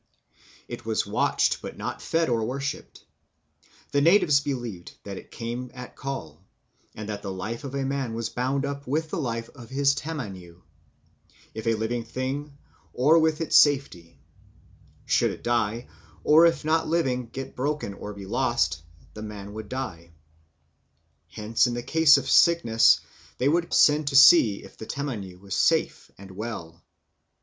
_ It was watched but not fed or worshipped; the natives believed that it came at call, and that the life of the man was bound up with the life of his tamaniu, if a living thing, or with its safety; should it die, or if not living get broken or be lost, the man would die. Hence in case of sickness they would send to see if the tamaniu was safe and well."